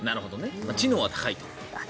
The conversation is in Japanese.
知能は高いと。